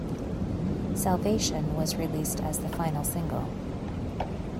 "Salvation" was released as the final single.